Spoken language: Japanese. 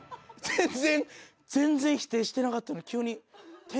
全然全然否定してなかったのに急に。